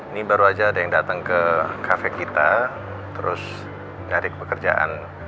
ini baru aja ada yang datang ke kafe kita terus cari pekerjaan